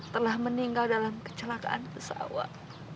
telah meninggal dalam kecelakaan pesawat